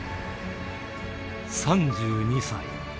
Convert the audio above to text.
３２歳。